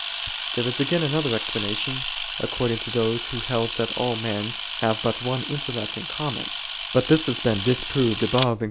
There is again another explanation, according to those who held that all men have but one intellect in common: but this has been disproved above (Q.